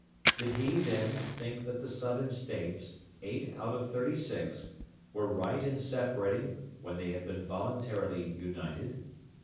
Did he, then, think that the Southern States, eight out of thirty six, were right in separating when they had been voluntarily united?